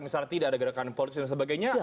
misalnya tidak ada gerakan politik dan sebagainya